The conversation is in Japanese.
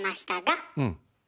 うん。